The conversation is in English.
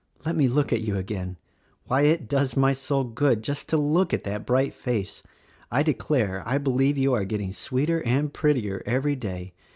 Let me look at you again! Why, it does my soul good just to look at that bright face. I declare I believe you are getting sweeter and prettier every day.